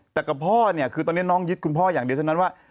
แต่กับพ่อเนี่ยคือตอนนี้น้องยึดคุณพ่ออย่างเดียวเท่านั้นว่า